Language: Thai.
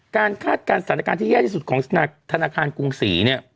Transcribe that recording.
คาดการณ์สถานการณ์ที่แย่ที่สุดของธนาคารกรุงศรีเนี่ย